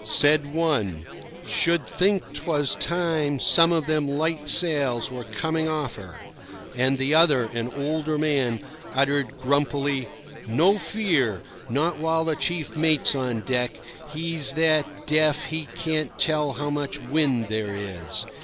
Said one: "Should think 'twas time some of them light sails were coming off her." And the other, an older man, uttered grumpily: "No fear! not while the chief mate's on deck. He's that deaf he can't tell how much wind there is."